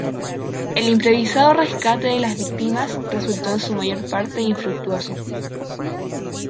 El improvisado rescate de las víctimas resultó en su mayor parte infructuoso.